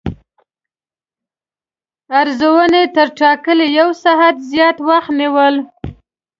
ارزونې تر ټاکلي یو ساعت زیات وخت ونیو.